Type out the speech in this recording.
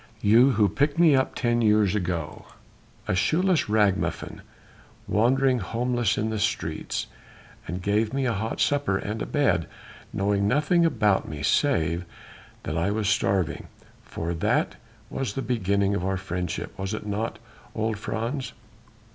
You who picked me up ten years ago a shoeless ragamuffin wandering homeless in the streets, and gave me a hot supper and a bed, knowing nothing about me save that I was starving ... for that was the beginning of our friendship was it not, old Frans?"